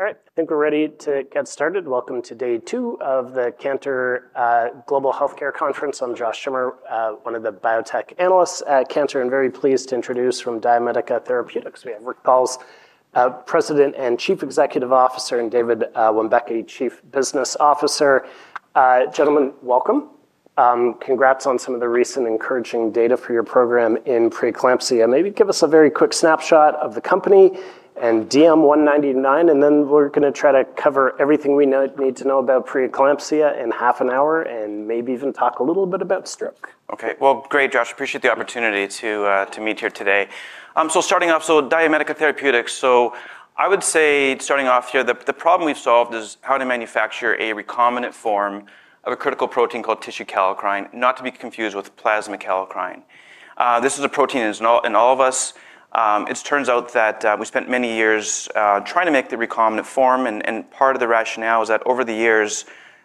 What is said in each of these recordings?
All right. I think we're ready to get started. Welcome to day two of the Cantor Global Healthcare Conference. I'm Josh Schimmer, one of the biotech analysts at Cantor. Very pleased to introduce from DiaMedica Therapeutics, have Rick Paul's President and Chief Executive Officer and David Wimbekki, Chief Business Officer. Gentlemen, welcome. Congrats on some of the recent encouraging data for your program in preeclampsia. Maybe give us a very quick snapshot of the company and DM199 and then we're going to try to cover everything we need to know about preeclampsia in half an hour and maybe even talk a little bit about stroke. Okay. Well, great, Josh. Appreciate the opportunity to meet here today. So starting off, so Diomedical Therapeutics. So I would say starting off here, the the problem we've solved is how to manufacture a recombinant form of a critical protein called tissue calacrine, not to be confused with plasma calacrine. This is a protein in all of us. It turns out that, we spent many years, trying to make the recombinant form and and part of the rationale is that over the years,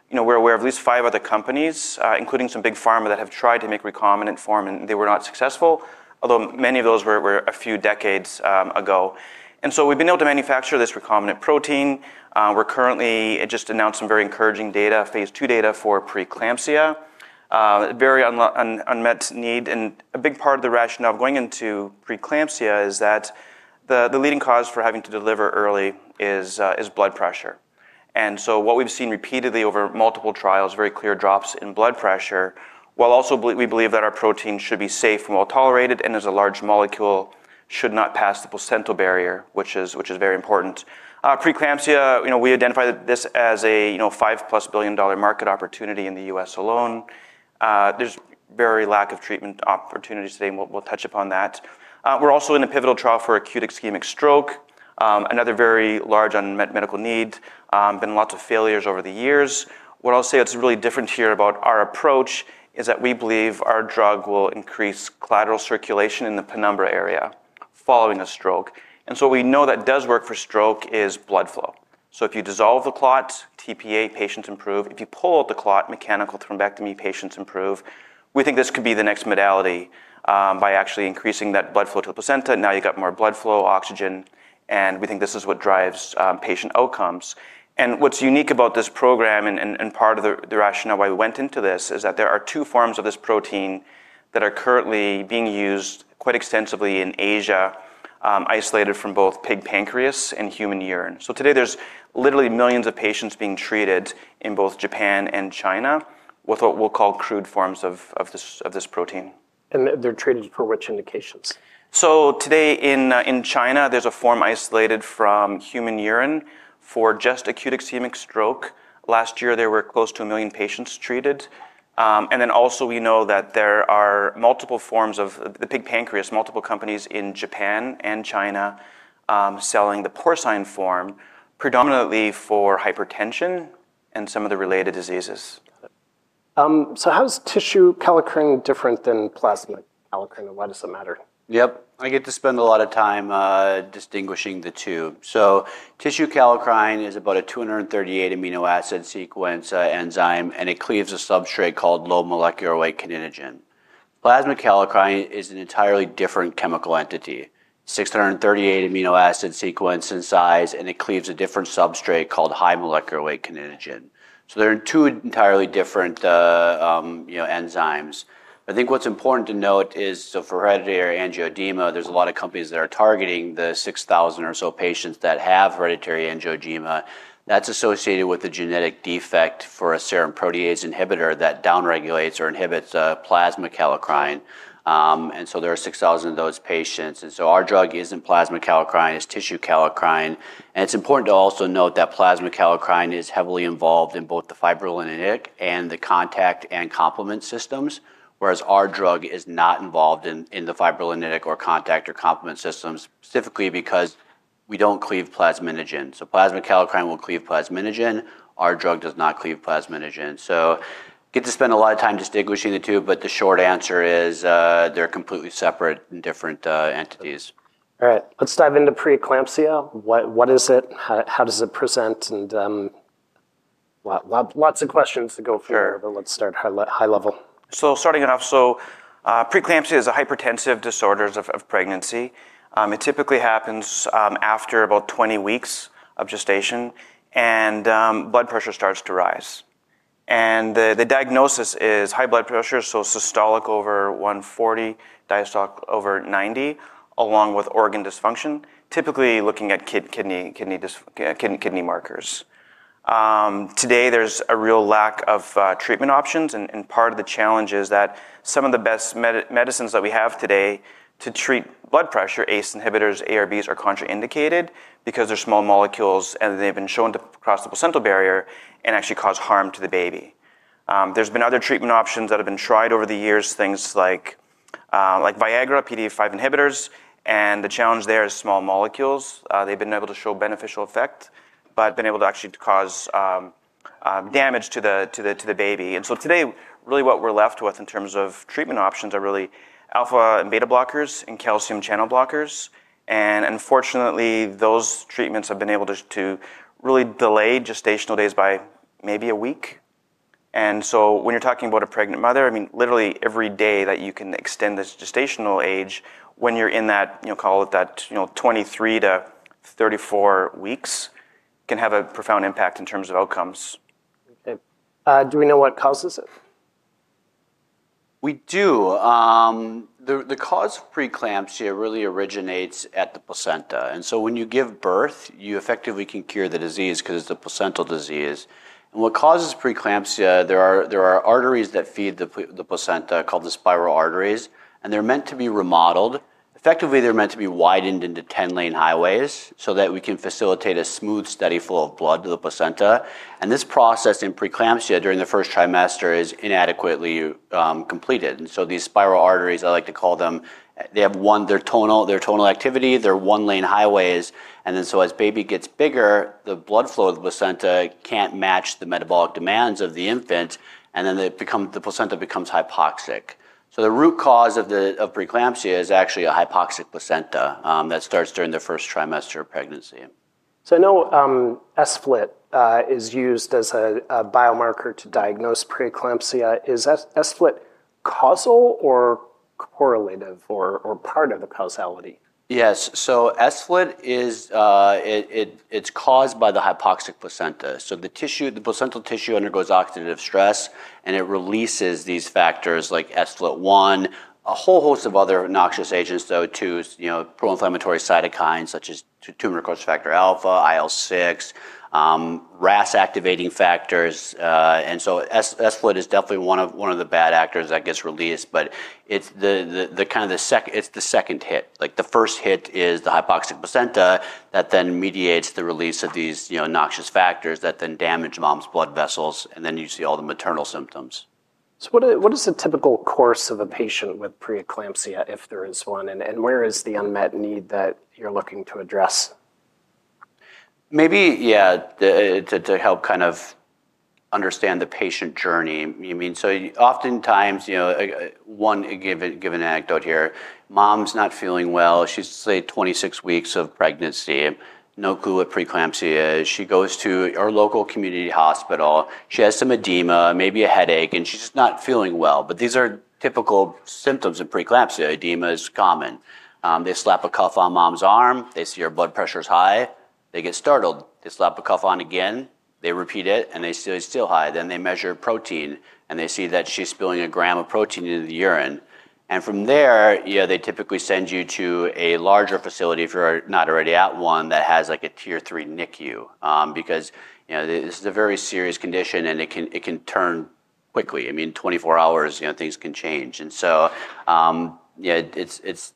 you know, we're aware of at least five other companies, including some big pharma that have tried to make recombinant form and they were not successful, although many of those were were a few decades, ago. And so we've been able to manufacture this recombinant protein. We're currently it just announced some very encouraging data, phase two data for preeclampsia, very un an unmet need and a big part of the rationale going into preeclampsia is that the leading cause for having to deliver early is, is blood pressure. And so what we've seen repeatedly over multiple trials, very clear drops in blood pressure, while also we believe that our protein should be safe and well tolerated and as a large molecule should not pass the placental barrier, which is very important. Preeclampsia, you know, we identified this as a $5 plus billion market opportunity in The U. S. Alone. There's very lack of treatment opportunities today and we'll touch upon that. We're also in a pivotal trial for acute ischemic stroke, another very large unmet medical need, been lots of failures over the years. What I'll say that's really different here about our approach is that we believe our drug will increase collateral circulation in the penumbra area following a stroke. And so we know that does work for stroke is blood flow. So if you dissolve the clot, tPA patients improve. If you pull out the clot, mechanical thrombectomy patients improve. We think this could be the next modality by actually increasing that blood flow to the placenta. Now you've got more blood flow, oxygen, and we think this is what drives, patient outcomes. And what's unique about this program and part of the rationale why we went into this is that there are two forms of this protein that are currently being used quite extensively in Asia, isolated from both pig pancreas and human urine. So today there's literally millions of patients being treated in both Japan and China with what we'll call crude forms of this protein. And they're treated for which indications? So today in China, there's a form isolated from human urine for just acute ischemic stroke. Last year, there were close to a million patients treated. And then also we know that there are multiple forms of the pig pancreas, multiple companies in Japan and China selling the porcine form predominantly for hypertension and some of the related diseases. So how is tissue different than plasma kallikrein, and why does it matter? Yep. I get to spend a lot of time distinguishing the two. So tissue kallikrein is about a two thirty eight amino acid sequence enzyme and it cleaves a substrate called low molecular weight kininogen. Plasma calacrine is an entirely different chemical entity six thirty eight amino acid sequence in size and it cleaves a different substrate called high molecular weight kininogen. So there are two entirely different enzymes. I think what's important to note is for hereditary angioedema, there's a lot of companies that are targeting the six thousand or so patients that have hereditary angioedema. That's associated with the genetic defect for a serum protease inhibitor that down regulates or inhibits plasma kallikrein. And so there are six thousand of those patients. And so our drug isn't plasma kallikrein, it's tissue kallikrein. It's important to also note that plasma kallikrein is heavily involved in both the fibrolinitic and the contact and complement systems, whereas our drug is not involved in the fibrolinitic or contact or complement systems, specifically because we don't cleave plasminogen. So plasma kallikrein will cleave plasminogen. Our drug does not cleave plasminogen. So, get to spend a lot of time distinguishing the two, but the short answer is they're completely separate and different entities. All right. Let's dive into preeclampsia. What is it? How does it present? And, lots of questions to go through here, So, but let's start high starting it off. So, preeclampsia is a hypertensive disorder of pregnancy. It typically happens after about twenty weeks of gestation and blood pressure starts to rise. And the diagnosis is high blood pressure, so systolic over 140, diastolic over 90, along with organ dysfunction, typically looking at kidney markers. Today, there's a real lack of, treatment options and part of the challenge is that some of the best medicines that we have today to treat blood pressure ACE inhibitors, ARBs are contraindicated because they're small molecules and they've been shown to cross the placental barrier and actually cause harm to the baby. There's been other treatment options that have been tried over the years, things Viagra PD-five inhibitors and the challenge there is small molecules. They've been able to show beneficial effect but been able to actually cause, damage to the baby. And so today, really what we're left with in terms of treatment options are really alpha and beta blockers and calcium channel blockers. And unfortunately, those treatments have been able to really delay gestational days by maybe a week. And so when you're talking about a pregnant mother, I mean, literally every day that you can extend this gestational age when you're in that, you know, call it that, you know, twenty three to thirty four weeks can have a profound impact in terms of outcomes. Okay. Do we know what causes it? We do. The cause of preeclampsia really originates at the placenta, and so when you give birth, you effectively can cure the disease because it's a placental disease. And what causes preeclampsia, there arteries that feed the placenta called the spiral arteries, and they're meant to be remodeled. Effectively, they're meant to be widened into 10 lane highways so that we can facilitate a smooth, steady flow of blood to the placenta. And this process in preeclampsia during the first trimester is inadequately, completed. And so these spiral arteries, I like to call them, they have their tonal activity, they're one lane highways, and then so as baby gets gets bigger, the blood flow of the placenta can't match the metabolic demands of the infant and then the placenta becomes hypoxic. So the root cause of preeclampsia is actually a hypoxic placenta that starts during the first trimester of pregnancy. So, I know S FLT is used as a biomarker to diagnose preeclampsia. Is S FLT causal or correlative or part of the causality? Yes. So, S FLT is it's caused by the hypoxic placenta. So, the tissue the placental tissue undergoes oxidative stress and it releases these factors like S FLT1, a whole host of other noxious agents, O2s, pro inflammatory cytokines such as tumor necrosis factor alpha, IL-six, RAS activating factors, so S FLT is definitely one of the bad actors that gets released, but it's the kind of the second hit. Like, the first hit is the hypoxic placenta that then mediates the release of these noxious factors that then damage mom's blood vessels and then you see all the maternal symptoms. So, what is the typical course of a patient with preeclampsia, if there is one, and where is the unmet need that you're looking to address? Maybe, yeah, to help kind of understand the patient journey. So oftentimes, one, I'll give an anecdote here. Mom's not feeling well. She's, say, twenty six weeks of pregnancy, no clue what preeclampsia is. She goes to our local community hospital. She has some edema, maybe a headache, and she's not feeling well. But these are typical symptoms of preeclampsia. Edema is common. They slap a cuff on mom's arm, they see her blood pressure's high, they get startled, they slap a cuff on again, they repeat it, and they say it's still high. Then they measure protein, and they see that she's spilling a gram of protein into the urine. And from there, they typically send you to a larger facility, if you're not already at one, that has a tier three NICU, because this is a very serious condition and it turn quickly. I mean, twenty four hours, you know, things can change. And so, yeah, it's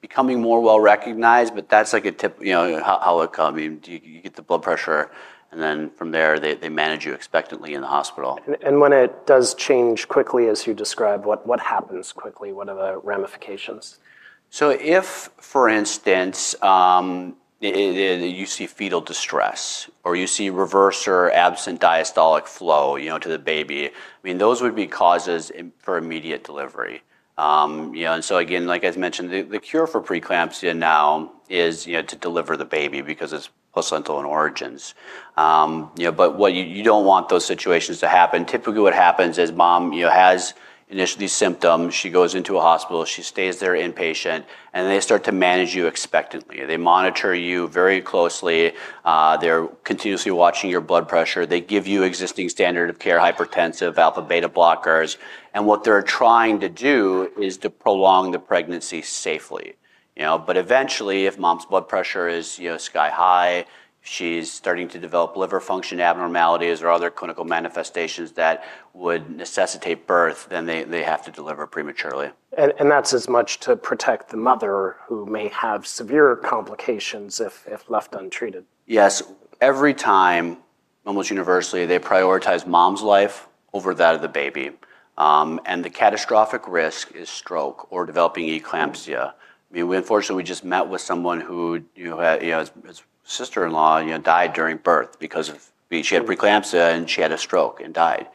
becoming more well recognized, but that's like a tip, you know, how it come. I mean, you get the blood pressure and then from there they manage you expectantly in the hospital. And when it does change quickly, as you describe, what happens quickly? What are the ramifications? So if, for instance, you see fetal distress or you see reverse or absent diastolic flow to the baby, I mean, those would be causes for immediate delivery. And so, like I mentioned, the cure for preeclampsia now is, you know, to deliver the baby because it's placental in origins. You know, but what you don't want those situations to happen. Typically, what happens is mom, you know, has initially symptoms, she goes into a hospital, she stays there inpatient and they start to manage you expectantly. They monitor you very closely. They're continuously watching your blood pressure. They give you existing standard of care hypertensive alpha beta blockers. And what they're trying to do is to prolong the pregnancy safely. You know. But eventually, if mom's blood pressure is sky high, she's starting to develop liver function abnormalities or other clinical manifestations that would necessitate birth, then they have to deliver prematurely. And that's as much to protect the mother who may have severe complications if left untreated? Yes. Every time, almost universally, they prioritize mom's life over that of the baby. And the catastrophic risk is stroke or developing eclampsia. Unfortunately, we just met with someone who, you know, his sister-in-law died during birth because she had preeclampsia and she had a stroke and died.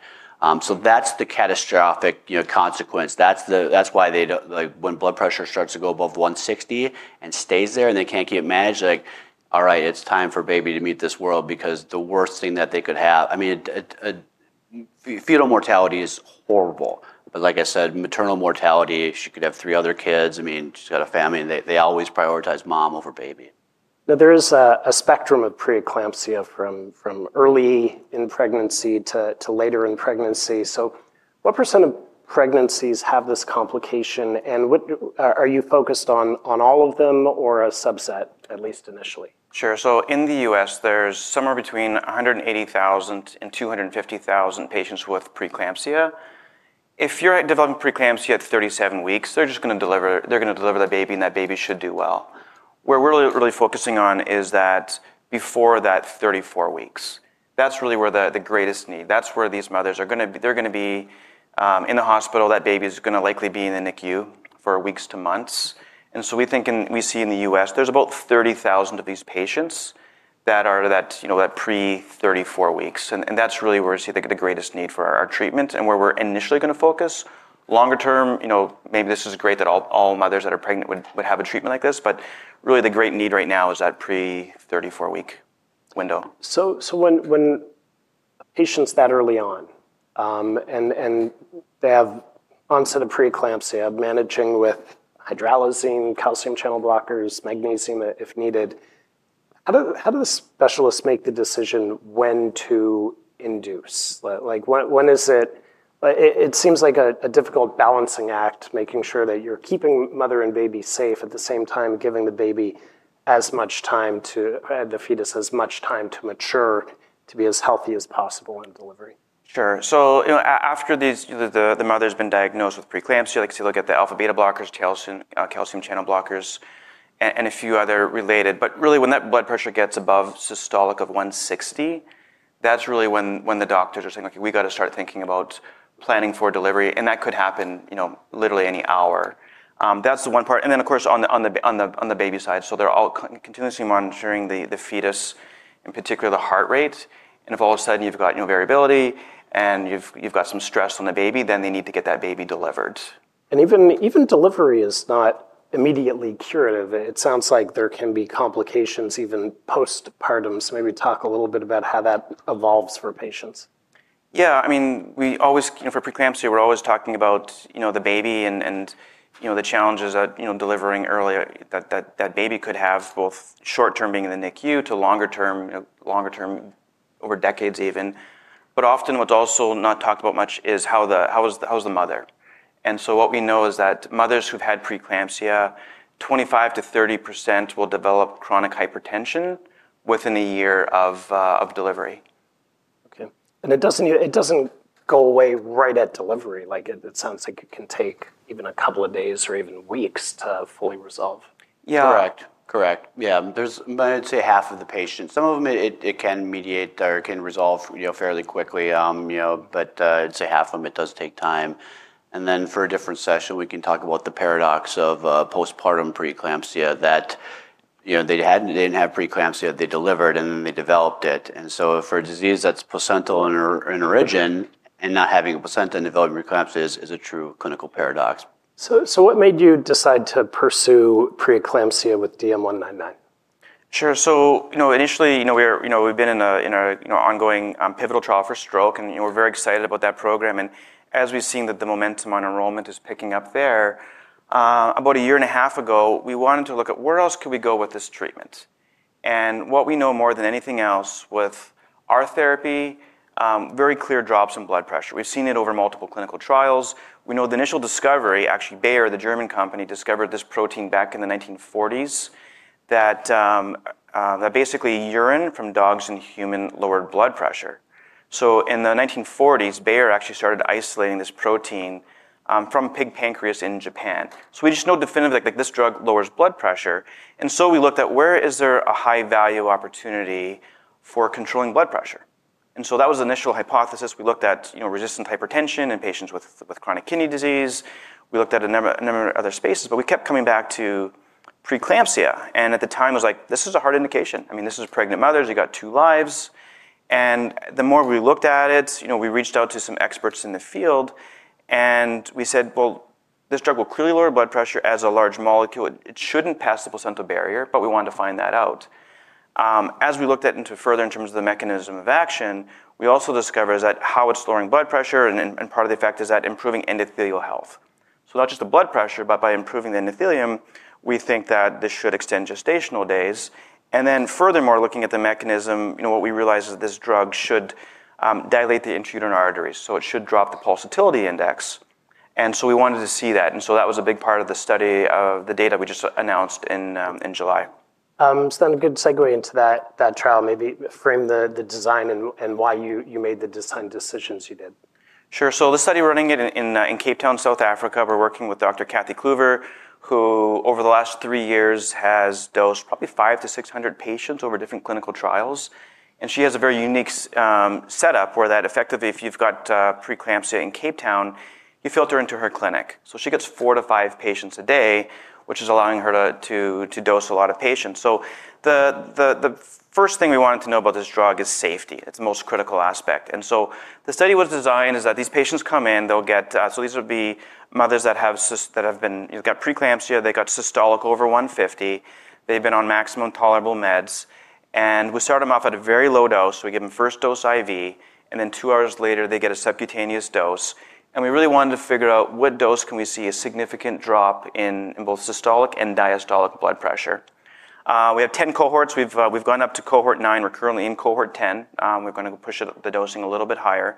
So that's the catastrophic, you know, consequence. That's why they don't like when blood pressure starts to go above 160 and stays there and they can't get managed, like, All right, it's time for baby to meet this world because the worst thing that they could have I mean, fetal mortality is horrible. But like I said, maternal mortality, she could have three other kids, I mean, she's got a family, and they always prioritize mom over baby. Now, there is a spectrum of preeclampsia from early in pregnancy to later in pregnancy. So what percent of pregnancies have this complication and what are you focused on all of them or a subset, at least initially? Sure. So in The U. S, there's somewhere between one hundred and eighty thousand and two hundred and fifty thousand patients with preeclampsia. If you're developing preeclampsia at thirty seven weeks, they're just going to deliver they're going to deliver the baby and that baby should do well. What we're really focusing on is that before that thirty four weeks. That's really where the greatest need, that's where these mothers are going to be they're going to be, in the hospital, that baby is going to likely be in the NICU for weeks to months. So And we think in we see in The U. S. There's about thirty thousand of these patients that are that, you know, that pre-thirty four weeks and and that's really where we see the greatest need for our treatment and where we're initially going to focus. Longer term, you know, this is great that all mothers that are pregnant would have a treatment like this, but really the great need right now is that pre-thirty four week window. So when patients that early on and they have onset of preeclampsia, managing with hydralazine, calcium channel blockers, magnesium if needed. How do the specialists make the decision when to induce? Like, when is it seems like a difficult balancing act, making sure that you're keeping mother and baby safe, at the same time giving the baby as much time to the fetus as much time to mature to be as healthy as possible in delivery. Sure. So, you know, a after these, the mother has been diagnosed with preeclampsia, like you see, look at the alpha beta blockers, calcium channel blockers, and a few other related. But really, when that blood pressure gets above systolic of 160, that's really when when the doctors are saying, okay, we've got to start thinking about planning for delivery and that could happen, you know, literally any hour. That's the one part. And then, of course, on the on the baby side, so they're all continuously monitoring the fetus, in particular the heart rate. And if all of sudden you've got variability and you've got some stress on the baby, then they need to get that baby delivered. And even delivery is not immediately curative. It sounds like there can be complications even post partum. So, maybe talk a little bit about how that evolves for patients. Yeah. I mean, we always for preeclampsia, we're always talking about, you know, the baby and, you know, the challenges that, you know, delivering earlier that baby could have both short term being in the NICU to longer term longer term over decades even. But often what's also not talked about much is how the how is the how is the mother. And so what we know is that mothers who've had preeclampsia, twenty five percent to thirty percent will develop chronic hypertension within a year of delivery. Okay. And it doesn't go away right at delivery? Like, it sounds like it can take even a couple of days or even weeks to fully resolve? Yeah. Correct. Yeah. There's I'd say half of the patients. Some of them, it can mediate or can resolve fairly quickly, you know, but I'd say half of them, it does take time. And then for a different session, can talk about the paradox of postpartum preeclampsia that, you know, they didn't have preeclampsia. They delivered and then they developed it. And so, for a disease that's placental in origin and not having a placenta in developing eclampsia is a true clinical paradox. So, what made you decide to pursue preeclampsia with DM199? Sure. So, you know, initially, you know, we're, you know, we've been in a, you know, ongoing pivotal trial for stroke and, you know, we're very excited about that program. As we've seen that the momentum on enrollment is picking up there, about a year and a half ago, we wanted to look at where else could we go with this treatment. And what we know more than anything else with our therapy, very clear drops in blood pressure. We've seen it over multiple clinical trials. We know the initial discovery actually Bayer, the German company, discovered this protein back in the 1940s that basically urine from dogs and human lowered blood pressure. So in the 1940s, Bayer actually started isolating this protein, from pig pancreas in Japan. So we just know definitively that this drug lowers blood pressure and so we looked at where is there a high value opportunity for controlling blood pressure. And so that was the initial hypothesis. We looked at resistant hypertension in patients with chronic kidney disease. We looked at a number of other spaces but we kept coming back to preeclampsia and at the time it was like, this is a hard indication. I mean, is pregnant mothers, you've got two lives and the more we looked at it, we reached out to some experts in the field and we said, well, this drug will clearly lower blood pressure as a large molecule. Shouldn't pass the placenta barrier, but we wanted to find that out. As we looked at further in terms of the mechanism of action, we also discovered how it's lowering blood pressure and part of the effect is that improving endothelial health. So not just the blood pressure, but by improving the endothelium, we think that this should extend gestational days. And then furthermore, looking at the mechanism, you know, what we realized is this drug should, dilate the intrauterine arteries, so it should drop the pulsatility index. And so we wanted to see that and so that was a big part of the study of the data we just announced in July. So, then, a good segue into that trial, maybe frame the design and why you made the design decisions you did. Sure. So, study running in Cape Town, South Africa, we're working with Doctor. Kathy Kluver who over the last three years has dosed probably 500 to 600 patients over different clinical trials and she has a very unique setup where that effectively if you've got preeclampsia in Cape Town, you filter into her clinic. So she gets four to five patients a day, which is allowing her to dose a lot of patients. So the first thing we wanted to know about this drug is safety, its most critical aspect. And so the study was designed is that these patients come in, they'll get, so these would be mothers that have been, you've got preeclampsia, they've got systolic over 150, they've been on maximum tolerable meds and we start them off at a very low dose. We give them first dose IV and then two hours later they get a subcutaneous dose and we really wanted to figure out what dose can we see a significant drop in both systolic and diastolic blood pressure. We have 10 cohorts. We've gone up to cohort nine. We're currently in cohort 10. We're going to push the dosing a little bit higher,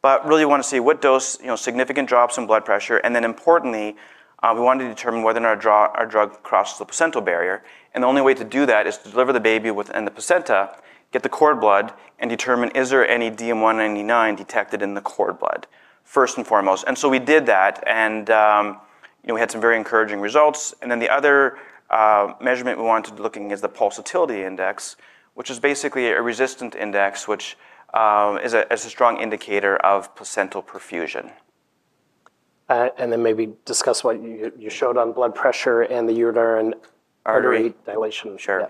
but really want to see what dose significant drops in blood pressure and then importantly, we want to determine whether or our drug crossed the placental barrier. The only way to do that is to deliver the baby within the placenta, get the cord blood and determine is there any DM199 detected in the cord blood, first and foremost. And so we did that and we had some very encouraging results and then the other measurement we wanted be looking at the pulsatility index, which is basically a resistant index, which is a strong indicator of placental perfusion. And then maybe discuss what you showed on blood pressure and the uterine artery dilation. Sure.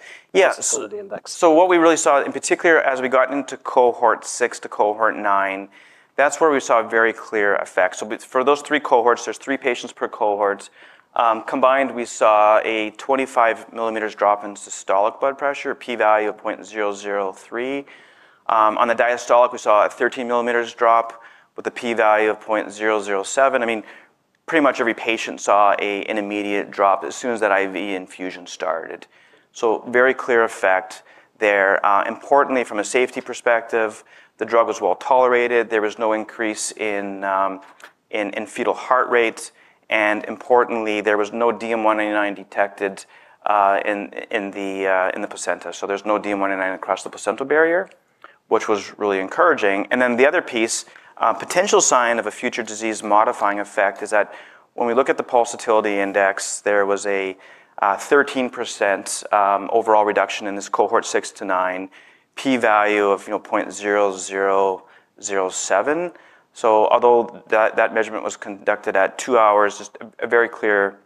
So, we really saw in particular as we got into cohort six to cohort nine, that's where we saw very clear effects. For those three cohorts, there's three patients per cohorts. Combined we saw a 25 millimeters drop in systolic blood pressure, p value of point zero zero three. On the diastolic we saw a 13 millimeters drop with a p value of point zero zero seven. I mean, pretty much every patient saw an immediate drop as soon as that IV infusion started. So very clear effect there. Importantly, from a safety perspective, the drug was well tolerated, there was no increase in fetal heart rates and importantly, there was no DM199 detected in the placenta. So there's no DM199 across the placenta barrier, which was really encouraging. And then the other piece, potential sign of a future disease modifying effect is that when we look at the pulsatility index, there was a 13% overall reduction in this cohort six to nine p value of 0.0007. So although that measurement was conducted at two hours, a very clear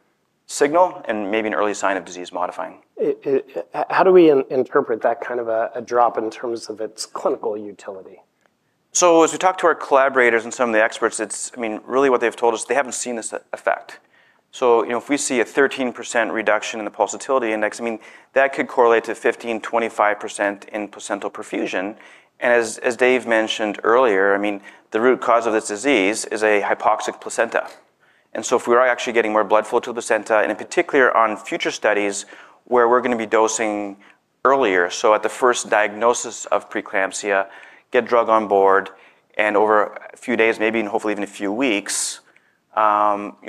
signal and maybe an early sign of disease modifying. How do we interpret that kind of a drop in terms of its clinical utility? So as we talk to our collaborators and some of the experts, it's I mean, really what they've told us, they haven't seen this effect. So, you know, if we see a thirteen percent reduction in the pulsatility index, I mean, could correlate to fifteen percent, twenty five percent in placental perfusion. And as Dave mentioned earlier, I mean, the root cause of this disease is a hypoxic placenta. And so if we are actually getting more blood flow to the placenta and in particular on future studies where we're going to be dosing earlier, so at the first diagnosis of preeclampsia, get drug on board and over a few days, maybe and hopefully even a few weeks,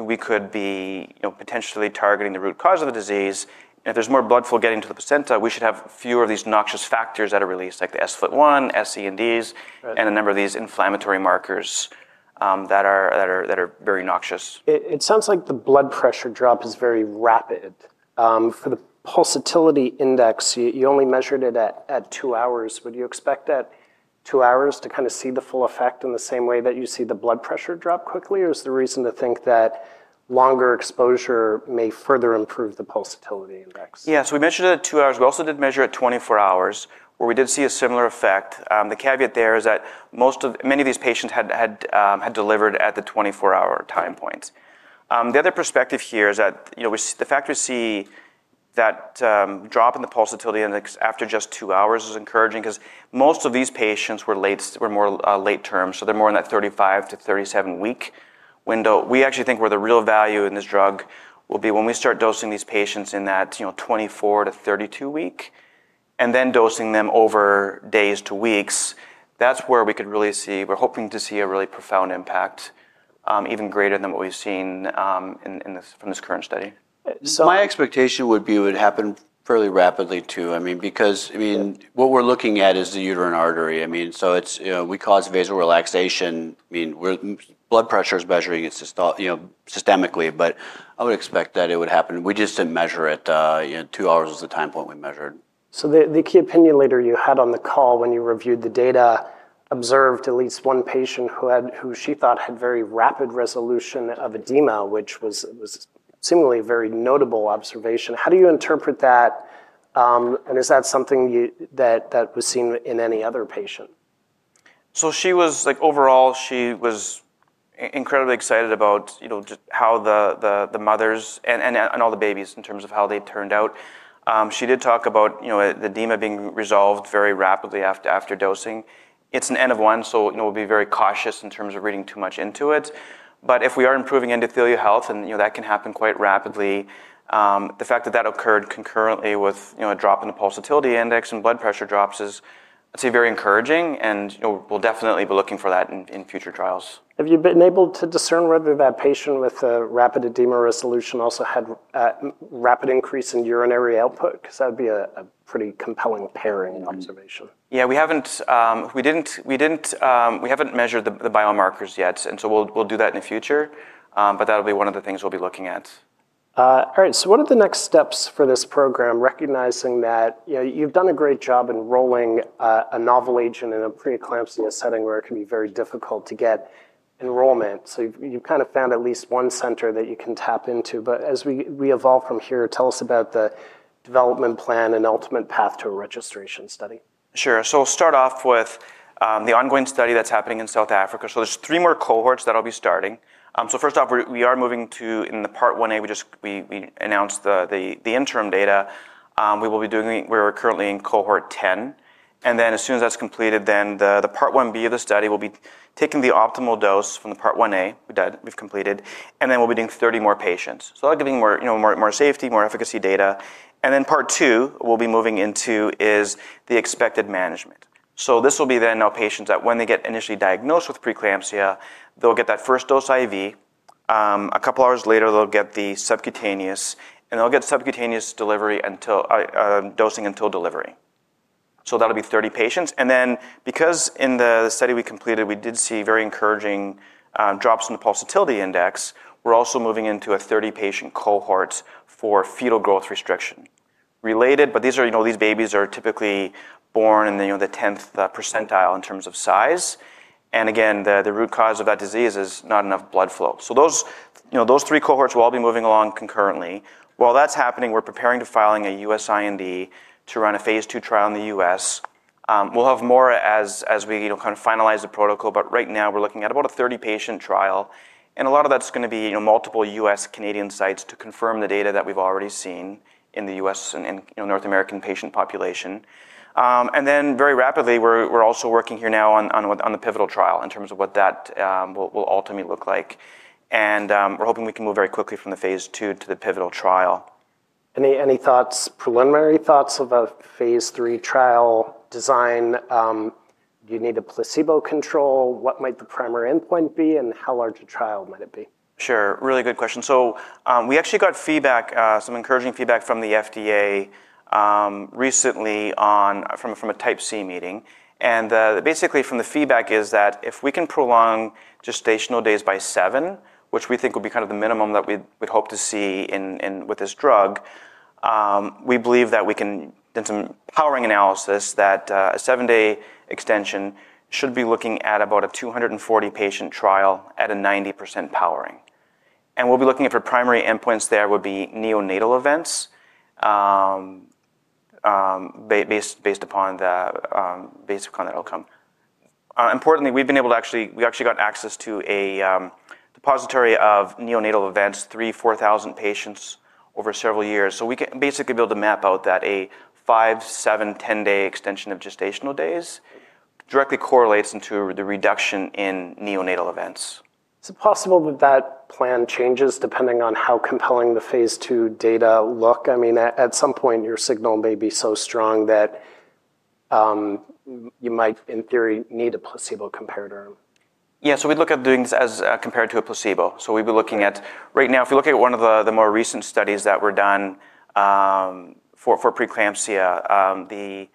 we could be potentially targeting the root cause of the disease. If there's more blood flow getting to the placenta, we should have fewer of these noxious factors that are released, like the S FLT1, S, E, and Ds and a number of these inflammatory markers that very noxious. It sounds like the blood pressure drop is very rapid. For the pulsatility index, you only measured it at two hours. Would you expect that two hours to kind of see the full effect in the same way that you see the blood pressure drop quickly or is there reason to think that longer exposure may further improve the pulsatility index? Yes, we mentioned it at two hours. We also did measure at twenty four hours where we did see a similar effect. The caveat there is that most of many of these patients had delivered at the twenty four hour time point. The other perspective here is that the fact we see that, drop in the pulsatility after just two hours is encouraging because most of these patients were late were more late term, so they're more in that thirty five to thirty seven week window. We actually think where the real value in this drug will be when we start dosing these patients in that twenty four to thirty two week and then dosing them over days to weeks, that's where we could really see we're hoping to see a really profound impact, even greater than what we've seen in this from this current study. My expectation would be it would happen fairly rapidly, too, because what we're looking at is the uterine artery. We cause vasorelaxation. Blood pressure is measuring systemically, but I would expect that it would happen. We just didn't measure it. Two hours was the time point we measured. So the key opinion leader you had on the call when you reviewed the data observed at least one patient who she thought had very rapid resolution of edema, which was seemingly a very notable observation. How do you interpret that? And is that something that was seen in any other patient? So she was like, overall, she was incredibly excited about, you know, just how the mothers and all the babies in terms of how they turned out. She did talk about, you know, edema being resolved very rapidly after dosing. It's an N of one, so we'll be very cautious in terms of reading too much into it. But if we are improving endothelial health and that can happen quite rapidly, the fact that that occurred concurrently with, you know, a drop in the pulsatility index and blood pressure drops is, I'd say, very encouraging and we'll definitely be looking for that in future trials. Have you been able to discern whether that patient with rapid edema resolution also had rapid increase in urinary output? Because that would be a pretty compelling pairing observation. Yeah, we haven't, we didn't, we haven't measured the biomarkers yet and so we'll do that in the future, but that'll be one of the things we'll be looking at. All right. So what are the next steps for this program, recognizing that you've done a great job enrolling a novel agent in a preeclampsia setting where it can be very difficult to get enrollment? So you've kind of found at least one center that you can tap into. But as we evolve from here, tell us about the development plan and ultimate path to a registration study. Sure. So, I'll start off with the ongoing study that's happening in South Africa. So, there's three more cohorts that I'll be starting. So first off, we are moving to in the Part 1a, we just we announced the interim data, we will be doing the we're currently in cohort 10. And then as soon as that's completed, then the Part 1b of the study will be taking the optimal dose from the Part 1a that we've completed and we'll be doing 30 more patients. So that will more safety, more efficacy data. And then Part two, we'll be moving into is the expected management. So this will be then our patients that when they get initially diagnosed with preeclampsia, they'll get that first dose IV, a couple hours later they'll get the subcutaneous and they'll get subcutaneous delivery until dosing until delivery. So that'll be 30 patients and then because in the study we completed we did see very encouraging drops in the pulsatility index, we're also moving into a 30 patient cohort for fetal growth restriction. Related, but these are, you know, these babies are typically born in the tenth percentile in terms of size And again, the root cause of that disease is not enough blood flow. So those three cohorts will all be moving along concurrently. While that's happening, we're preparing to filing a U. S. IND to run a Phase II trial in The U. S. We'll have more as we kind of finalize the protocol, but right now we're looking at about a 30 patient trial and a lot of that's going to be multiple U. S./Canadian sites to confirm the data that we've already seen in The U. S. And North American patient population. And then very rapidly, we're also working here now on the pivotal trial in terms of what that will ultimately look like. And we're hoping we can move very quickly from the Phase II to the pivotal trial. Any thoughts preliminary thoughts of a Phase III trial design? Do you need a placebo control? What might the primary endpoint be? And how large a trial might it be? Sure. Really good question. So, we actually got feedback, some encouraging feedback from the FDA recently on from a Type C meeting and basically from the feedback is that if we can prolong gestational days by seven, which we think will be kind of the minimum that we'd hope to see with this drug, we believe that we can do some powering analysis that a seven day extension should be looking at about a two forty patient trial at a ninety percent powering. And we'll be looking at for primary endpoints there would be neonatal events based upon outcome. Importantly, we've been able to actually we actually got access to a, repository of neonatal events, three four thousand patients over several years. So we can basically build a map out that a five, seven, ten day extension of gestational days directly correlates into the reduction in neonatal events. Is it possible that that plan changes depending on how compelling the Phase II data look? I mean, at some point, your signal may be so strong that you might, in theory, need a placebo comparator. Yes, so we'd look at doing this as compared to a placebo. So we'd be looking at right now, if you look at one of the more recent studies that were done for preeclampsia,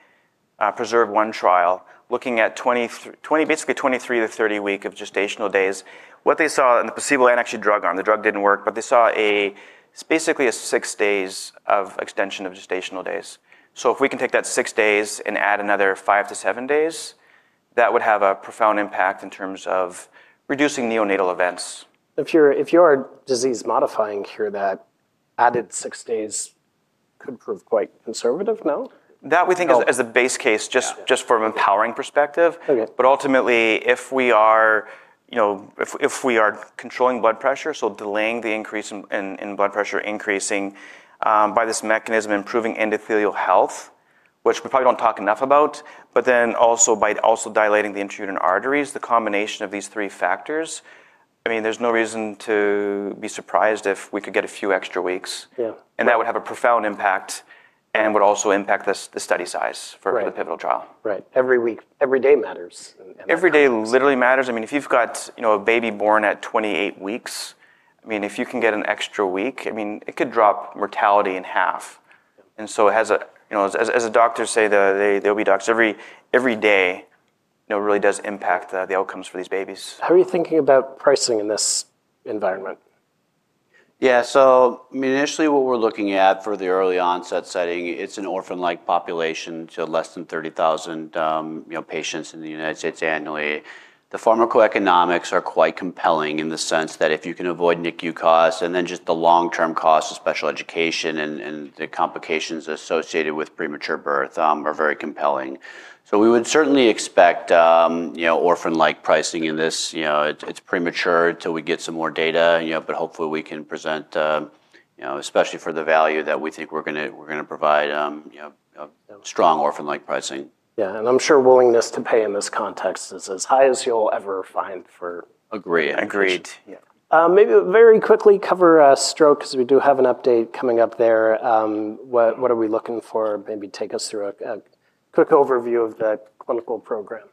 PRESERVE-one trial, looking at basically twenty three to thirty week of gestational days, what they saw in the placebo and actually drug on, the drug didn't work, but they saw a basically a six days of extension of gestational days. So if we can take that six days and add another five to seven days, that would have a profound impact in terms of reducing neonatal events. If you're if you are disease modifying cure, that added six days could prove quite conservative now? That we think as as a base case just just from an empowering perspective. Okay. But ultimately, if we are, you know, if we are controlling blood pressure, so delaying the increase in blood pressure increasing, by this mechanism improving endothelial health, which we probably don't talk enough about, but then also by also dilating the intrusion arteries, the combination of these three factors. I mean, there's no reason to be surprised if we could get a few extra weeks and that would have a profound impact and would also impact the study size for the pivotal trial. Every week. Every day matters. Every day literally matters. I mean, if you've got, you know, a baby born at twenty eight weeks, I mean, if you can get an extra week, I mean, it could drop mortality in half. And so as doctors say, there'll be doctors every day, you know, it really does impact the outcomes for these babies. How are you thinking about pricing in this environment? Yeah. So, I mean, initially what we're looking at for the early onset setting, it's orphan like population, so less than thirty thousand patients in The United States annually. The pharmacoeconomics are quite compelling in the sense that if you can avoid NICU costs and then just the long term costs of special education and the complications associated with premature birth are very compelling. So we would certainly expect orphan like pricing in this. It's premature until we get some more data, but hopefully, we can present, especially for the value that we think we're going to provide, strong orphan like pricing. Yes. And I'm sure willingness to pay in this context is as high as you'll ever find for Agreed. Agreed. Maybe very quickly cover stroke because we do have an update coming up there. What are we looking for? Maybe take us through a quick overview of the clinical program.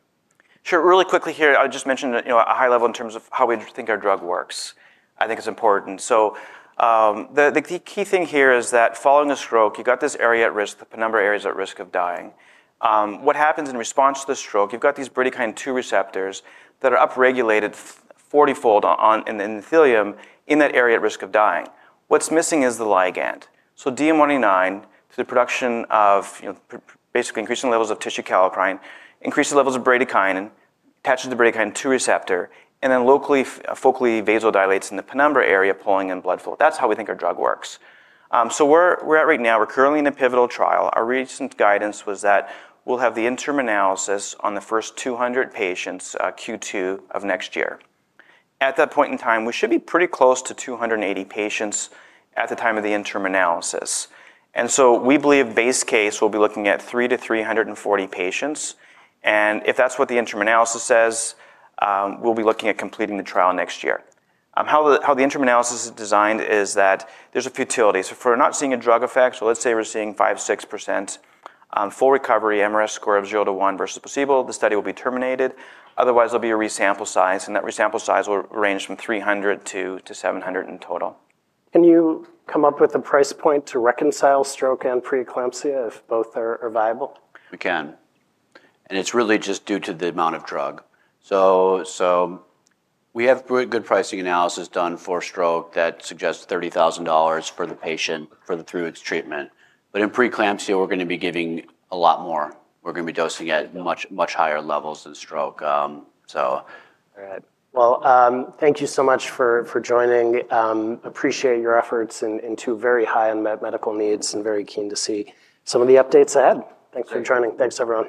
Sure. Really quickly here, I'll just mention a high level in terms of how we think our drug works. I think it's important. So, the key thing here is that following a stroke, you've got this area at risk, the penumbra area is at risk of dying. What happens in response to the stroke, you've got these bradykin-two receptors that are upregulated 40 fold in the endothelium in that area at risk of dying. What's missing is the ligand. So DM199, the production of basically increasing levels of tissue caliprine, increases levels of bradykinin, attaches to bradykinin-two receptor, and then locally focally vasodilates in the penumbra area pulling in blood flow. That's how we think our drug works. So we're at right now, we're currently in a pivotal trial. Our recent guidance was that we'll have the interim analysis on the first 200 patients, Q2 of next year. At that point in time, we should be pretty close to two eighty patients at the time of the interim analysis. And so we believe base case, we'll be looking at three to three forty patients and if that's what the interim analysis says, we'll be looking at completing the trial next year. How interim analysis is designed is that there's a futility. So if we're not seeing a drug effect, so let's say we're seeing five six percent, full recovery MRS score of zero to one versus placebo, the study will be terminated. Otherwise, there will be a resample size and that resample size will range from 300 to 700 in total. Can you come up with a price point to reconcile stroke and preeclampsia if both are viable? We can. And it's really just due to the amount of drug. So, so, we have pretty good pricing analysis done for stroke that suggests $30,000 for the patient through its treatment. But in preeclampsia, we're going to be giving a lot more. We're going be dosing at much, much higher levels than stroke. So. Right. Well, thank you so much for joining. Appreciate your efforts in two very high unmet medical needs and very keen to see some of the updates ahead. Thanks for joining. Thanks, everyone.